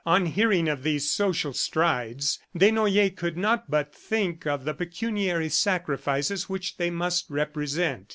On hearing of these social strides, Desnoyers could not but think of the pecuniary sacrifices which they must represent.